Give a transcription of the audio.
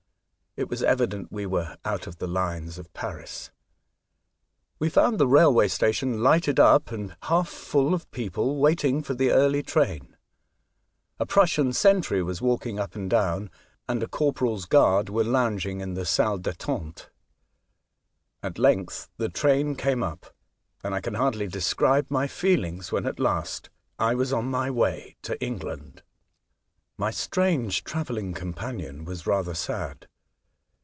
It was evident we were out of the lines of Paris. We found the railway station lighted up, and half full of people waiting for the early train. A Prussian sentry was walking up and down, and a corporal's guard were lounging in the salle d/attente. At length the train came up, and I can hardly describe my feelings when at last I was on my way to England. My strange travelling companion was rather sad.